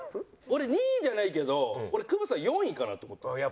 俺２位じゃないけど俺久保田さんは４位かなと思ってます。